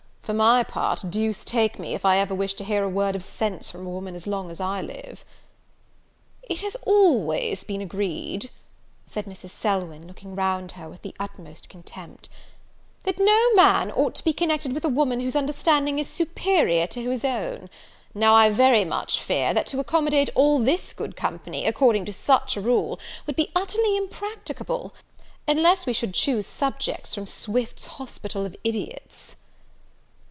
For my part, deuce take me if ever I wish to hear a word of sense from a woman as long as I live!" "It has always been agreed," said Mrs. Selwyn, looking round her with the utmost contempt, "that no man ought to be connected with a woman whose understanding is superior to his own. Now I very much fear, that to accommodate all this good company, according to such a rule, would be utterly impracticable, unless we should choose subjects from Swift's hospital of idiots."